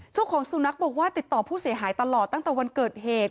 เจ้าของสุนัขบอกว่าติดต่อผู้เสียหายตลอดตั้งแต่วันเกิดเหตุ